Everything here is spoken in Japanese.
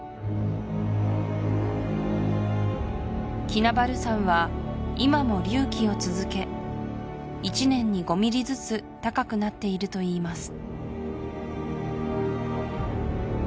キナバル山は今も隆起を続け１年に５ミリずつ高くなっているといいます